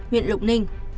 huyện lộc ninh